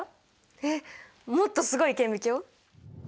えっもっとすごい顕微鏡？